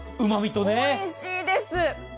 おいしいです。